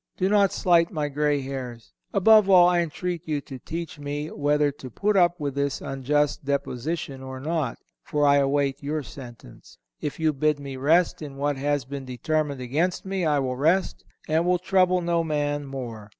Do not slight my gray hairs.... Above all, I entreat you to teach me whether to put up with this unjust deposition or not; for I await your sentence. If you bid me rest in what has been determined against me, I will rest, and will trouble no man more.